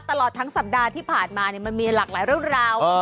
ตลอดทั้งสัปดาห์ที่ผ่านมามันมีหลากหลายเรื่องราว